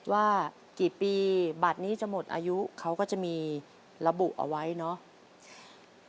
ว่ากี่ปีบัตรนี้จะหมดอายุเขาก็จะมีระบุเอาไว้เนาะ